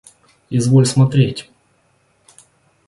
Изволь смотреть.